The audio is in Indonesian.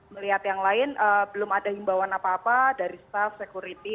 melihat yang lain belum ada himbauan apa apa dari staff security